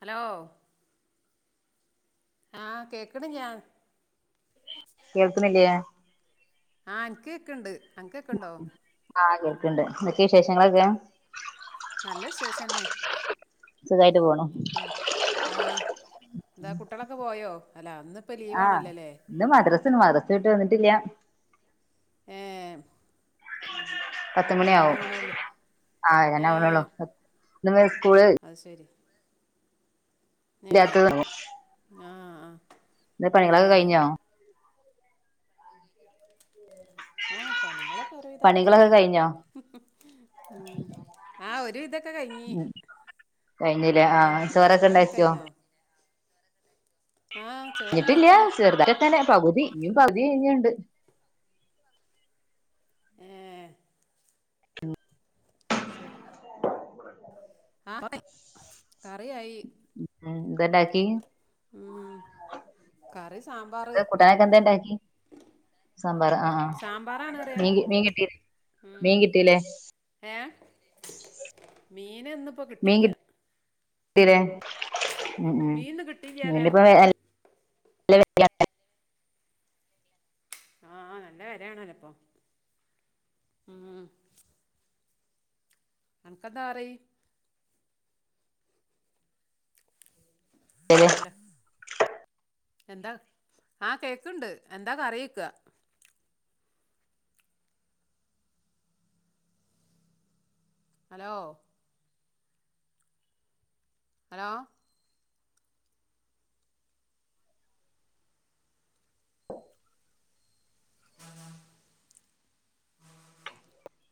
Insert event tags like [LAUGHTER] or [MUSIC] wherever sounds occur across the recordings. Hello? ആഹ് കേക്കണ്ല്ല. കേൾക്കുന്നില്ലേ? ആ ഇൻ ക്ക് ക്കെക്ക്ണ്ണ്ണ്ട്. അനക്ക്കേക്ക്ണ്ണ്ടോ? ണ്ട് എന്തൊക്കെ വിശേഷങ്ങളൊക്കെ? നല്ല വിശേഷന്നെ സുഖായിട്ട് പോണു ആ എന്താ കുട്ട്യോളൊക്കെ പോയോ അല്ലാ ഇന്നിപ്പോ ലീവാണല്ലോല്ലേ? ല്ല എഏ പത്തുമണി ആവും ആ ഏ നാവോണൊള്ളു അത് ശരി ഏ ആ ആ ന്ന് ഏ പണീളൊക്കെ കഴിഞ്ഞോ ആഹ പണികളൊക്കെ ഒരുവിതൊക്കെ പണികളൊക്കെ കഴിഞ്ഞു കഴിഞ്ഞോ ഉ ആ ഒരുവിതക്ക ക്കെ കഴിഞ്ഞി ഉം കഴിഞ്ഞില്ലേ ആ ചോറൊക്കെ ണ്ടാക്കിയോ ആ ഞ്ഞിട്ടില്ല ചോറുണ്ടാക്കി ല്ല ചെറുതായി തന്നെ പകുതി ഇനും പകുതി ഇുണ്ട് ഏ ഉ അ ശരി ആ് കറിയായി ന്ത ണ്ടാക്കി ഉം കറി സാമ്പാറ് സാമ്പാറ ആ ആ സാമ്പാറാണ് പറയാ മീൻ കിട്ടിയില്ലേ മീൻ കിട്ടീലേ ഏ മീന് ഇന്നിപ്പോ കിട്ടില്ല്യാ മീനിന്ന് [UNINTELLIGIBLE] കിട്ടിയില്ല പറയാ [UNINTELLIGIBLE] ആഹ നല്ല കരയാണല്ലേപ്പൊ ആ അണക്കെന്താ കറി ശരി അല്ല എന്താ ആ കേക്കുണ്ട് എന്താ കറിയിക്ക ഹലോ ഹലോ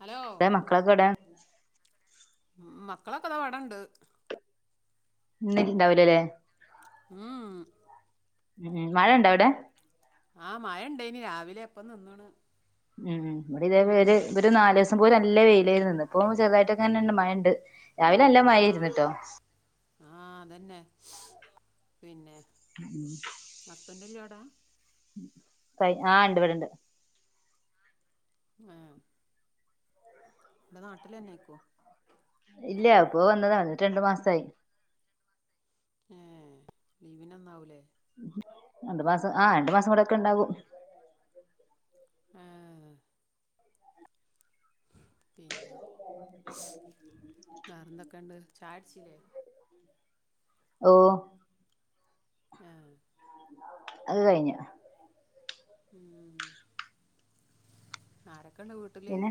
ഹലോ അതെ മക്കളൊക്കെ എവടെ മക്കളൊക്കെ അതാ ഇവടണ്ട് ഇന്നുണ്ടാവില്ലല്ലേ ഉം ഉം മഴ ഇണ്ടോ അവിടെ ആഹ മഴ ഇണ്ട ഇനി രാവിലെ എപ്പ നിന്നാണ് ഉം ഇവിടി ഇതേ ഒരു നാല് ദിവസം പോലും അല്ലേ വെയിലായിരുന്ന് ഇപ്പൊ ചെറുതായിട്ടൊക്കെ മഴയിണ്ട് രാവിലെ എല്ലാ മഴയായിരുന്ന്ട്ടോ അന്നെ പിന്നെ [UNINTELLIGIBLE] [UNINTELLIGIBLE] കൈ ആഹ് ഇണ്ട് ഇവിടിണ്ട് ആഹ ഇവിടെ നാട്ടിലന്നെ ഇക്കോ ഇല്ല്യാ അപ്പ വന്നതാ വന്നിട്ട് രണ്ടു മാസായി ഏ ലീവിൻ വന്നാവൂലേ രണ്ടു മാസം ആ രണ്ടു മാസം ഇവടൊക്കെ ഇണ്ടാവും ആ [UNINTELLIGIBLE] വേറെ എന്തൊക്കെ ഉണ്ട് ചായടിച്ചില്ലേ ഓ ആ അത് കഴിഞ്ഞു [UNINTELLIGIBLE] പിന്നെ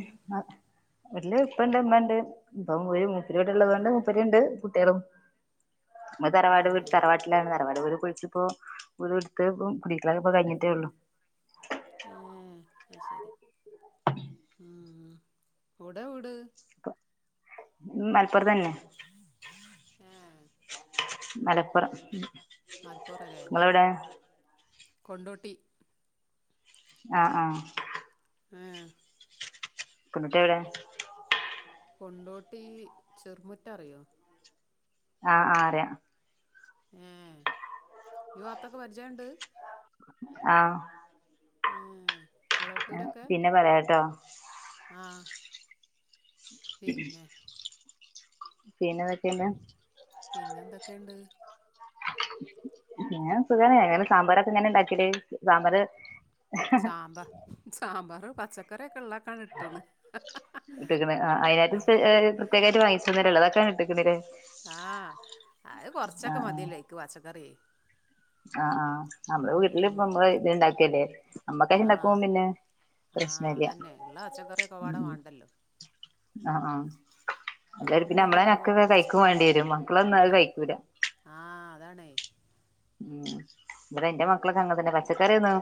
വീട്ടില് ഇപ്പയിണ്ട് ഇമ്മണ്ട് ഇപ്പം ഒരു വീട്ടള്ളത് കൊണ്ട് മുപ്പരി ഉണ്ട് കുട്ടികളും. നമ്മ ഏ തറവാട് തറവാട്ടിലാണ് തറവാട് [UNINTELLIGIBLE] ആഹ അ ശരി എവട വീട് അപ്പൊ മലപ്പുറതന്നെ ഏ മലപ്പുറം മലപ്പുറല്ലേ നിങ്ങളെവിടെ കൊണ്ടോട്ടി ആ ആ ആ കൊണ്ടോട്ടി എവിടെ കൊണ്ടോട്ടീ ചെറുമുറ്റ അറിയോ ആ ആ അറിയ മം ഈവാത്തൊക്കെ പരിചയംണ്ട്. ആഹ ഉം ആ പിന്നെ പറയാട്ടോ ആ പിന്നെ പിന്നെന്തൊക്കെയുണ്ട് പിന്നെ എന്തൊക്കെയുണ്ട്. ഞാൻ സുഖാണ് അങ്ങനെ സാമ്പാറൊക്കെ ഇങ്ങനെ ഇണ്ടാക്കിട്ട് സാമ്പാറ് സാമ്പാ സാമ്പർ പച്ചക്കറിക്കോ ഇട്ടക്ക്ണ് ആ അതിനായിട്ട് പ്രത്യേകിച്ച് വാങ്ങിച്ചന്നേരം ഉള്ളതൊക്കെ ആഹ് അത് കൊറച്ചൊക്കെ ആഹ് ആഹ് മതിയല്ലേ അയ്ക്ക് പച്ചക്കറി ആഹ് ആ നമ്മുടെ വീട്ടില് ഉം ഇപ്പമ്മ ഇത് ഇണ്ടാക്കിയല്ലേ, നമ്മക്കായ്ന് ആഹ് ഇണ്ടാക്കും പിന്നെ പ്രശ്ന ആഹ് ഇല്ല അതന്നെ ഉള്ള പച്ചക്കറിക്കൊപ്പാടെ വേണ്ടല്ലോ? ആഹ ആ അത പിന്നെ ഇബടിയൊക്കെ കൊറേ നമ്മളെക്കെ കൊറച്ച് കഴിക്കൻ വേണ്ടി വരും മക്കളൊന്നുംഅത്കൈക്കൂലാ. അതാണെ, ഉം എന്റെ മക്കളൊക്കെ അങ്ങൻതന്നെ പച്ചക്കറിന്നും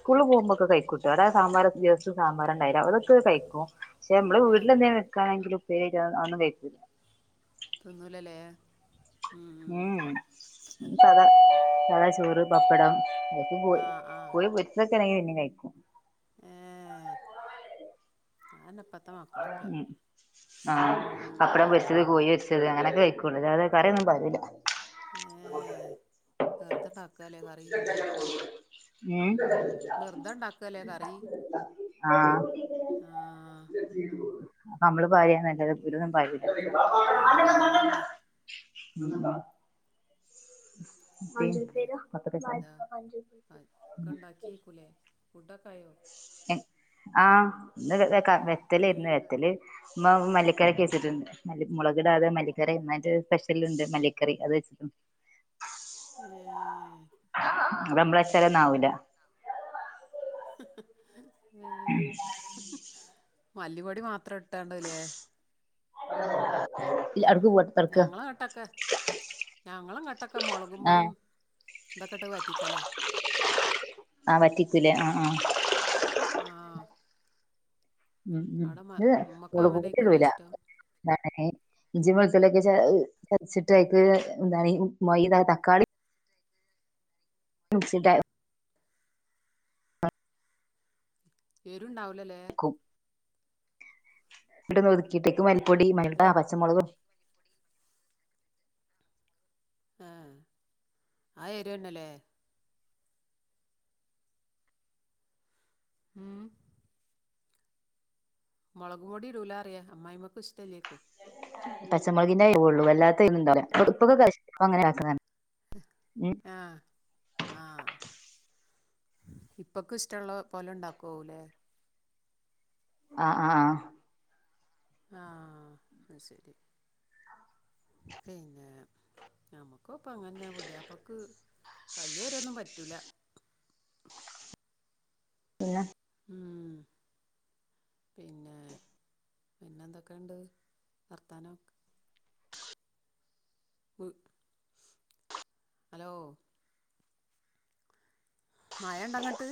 സ്കൂളിൽ പോകുമ്പോക്കെ കഴിക്കൂ ന്റെടെസാമ്പാർ ദിവസം സാമ്പാറ ഉണ്ടായിലോ അതൊക്കെ കഴിക്കും. പക്ഷെ നമ്മള് ഏഹ് വീട്ടിലെന്തേും വെക്കായാണെങ്കിൽ ഉപ്പേരി അഒന്നും കഴിക്കില്ല. തിന്നൂലല്ലേ? ഉം ഉംസദാ ആഹ് സദാ ചോറ് പപ്പടം പോയി ആഹ് ആഹ് സ്ക്കൂൾ പോരിച്ചക്കെണെങ്കി പിന്നെ കഴിക്കും. താന ഉ ആഹ ഉം പപ്പടം പൊരിച്ചത് കോഴരിച്ച ചെത് അങ്ങനെയൊക്കെ വെക്കുള്ളൂ അല്ലാതെ കറിയൊന്നും [UNINTELLIGIBLE] ഹ [UNINTELLIGIBLE] കറി. ഉം വെറുതെണ്ടാക്കല്ലേ കറി ഏ ആ ആഹ് അപ്പ നമ്മള് പാര്യയനല്ലാതെ ഇബരന്നും പരുല്ല. ആഹ് അതന്നെ [UNINTELLIGIBLE] [UNINTELLIGIBLE] പിന്നെ എന്താ ഒക്കെ ഉണ്ടാക്കിയേക്കൂലേ ഫുഡൊക്കെ ആയോ ആഹ ഇന്ന് ക വെത്തല് ഏഹ് ഇന്ന് വെത്തല് ഇമ്മ മല്ലിക്കരക്ക് വെച്ചിട്ടുണ്ട്. മുളകിടാതെ മല്ലിക്കര എന്നി് സ്പെഷ്യൽണ്ട് മല്ലിക്കറി അത് വെച്ചിട്ടുണ്ട്. ഉം നമ്മളച്ചലൊന്നാവൂല. മല്ലിപൊടി മാത്രം ഇട്ടാണ്ടല്ലേ. [UNINTELLIGIBLE] ഞങ്ങ അടുക്ക് പോവാ തൊടക്ക് ഞങ്ങളെങ്ങ്ട്ടക്കെ ഞങ്ങളെങ്ങ്ട്ടക്കെ മുളകും ആഹ് പൊടിയും ഇതെക്കെട്ട് വറ്റിക്കല് ആഹ് വറ്റിക്കൂലേ ആഹ ആഹ ആ ഉം ഉ മുളകുപൊടി അങ്ങനെയായിരിക്കൂല്ലേ ഇടൂല ഇഷ്ടം ഇഞ്ചി വെളുത്തുള്ളി ഒക്കെ ചതച്ചു അതിലേക്കു ചതച്ചിട്ടു എന്താണ് അത്തിലേക്ക് മൈത തക്കാളി മിസ്സാക്കും എരു ഉണ്ടാവൂലലേ ഇവിടെ ഒതുക്കിട്ടേക്ക് മല്ലിപ്പൊടി മൈദ അല്ലെ പച്ചമുളകും ആഹ ആ ഏരുന്നല്ലേ ഉം മുളക് പൊടി ഇടൂലറിയ അമ്മായിമ്മക്ക ഇഷ്ടല്ലേക്കും പച്ചമുളകിന്റെ ഉള്ളു വല്ലാത്ത ഇപ്പൊക്കെ അങ്ങനെ ഉം ആ ആ ഉപ്പാക്ക് ഇഷ്ടമുള്ള പോലെ ഉണ്ടാക്കല്ലേ ആഹ് ആഹ് ആഹ് ശരി പിന്നെ നമക്കും അങ്ങനെ പുതിയപ്പൾക്ക് വല്യരൊന്നും പറ്റൂല പിന്നെ ഉം പിന്നെ ഏ പിന്നെ എന്തൊക്കെയുണ്ട് വർത്താനം ഹലോ മഴ ഉണ്ടങ്ങട്ട്